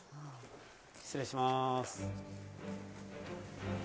失礼します。